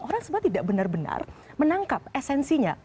orang sebenarnya tidak benar benar menangkap esensinya